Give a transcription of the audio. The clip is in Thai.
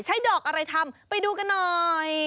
ใช้ดอกอะไรทำไปดูกันหน่อย